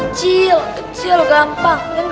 kecil kecil gampang